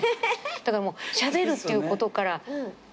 だからしゃべるっていうことから。